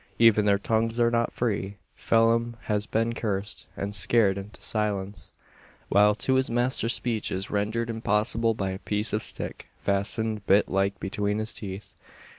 Even their tongues are not free. Phelim has been cursed and scared into silence; while to his master speech is rendered impossible by a piece of stick fastened bitt like between his teeth.